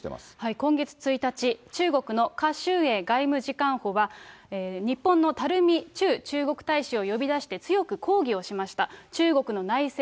今月１日、中国の華春瑩外務次官補は、日本の垂駐中国大使を呼び出して、強く抗議をしました。